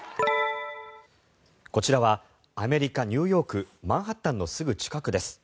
こちらはアメリカ・ニューヨークマンハッタンのすぐ近くです。